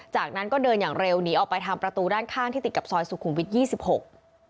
จากนั้นก็เดินอย่างเร็วหนีออกไปทางประตูด้านข้างที่ติดกับซอยสุขุมวิทยี่สิบหก